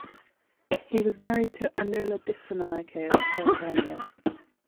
He was married to Anula Dissanayake of Peradeniya.